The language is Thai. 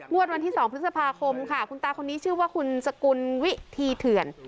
วันที่๒พฤษภาคมค่ะคุณตาคนนี้ชื่อว่าคุณสกุลวิธีเถื่อน